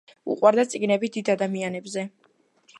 უყვარდა წიგნები დიდ ადამიანებზე.